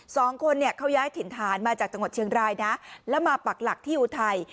สองคนเนี่ยเขาย้ายถิ่นฐานมาจากจังหวัดเชียงรายนะแล้วมาปักหลักที่อุทัย